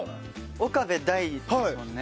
岡部大ですもんね。